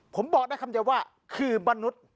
ผมบอกได้คำเดียวว่าคือมนุษย์